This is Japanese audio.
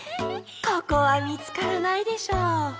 ここはみつからないでしょう。